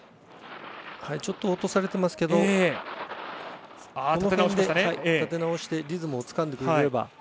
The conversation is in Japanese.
ちょっと落とされてますけど立て直してリズムをつかんでくれれば。